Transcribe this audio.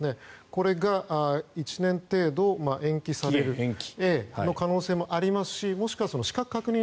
これが１年程度延期される可能性もありますしもしくは資格確認